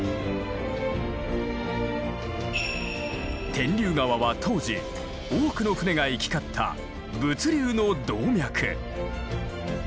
天竜川は当時多くの船が行き交った物流の動脈。